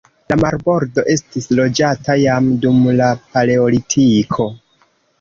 La marbordo estis loĝata jam dum la paleolitiko.